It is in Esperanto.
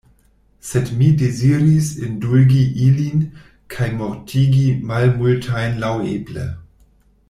Sed mi deziris indulgi ilin, kaj mortigi malmultajn laŭeble.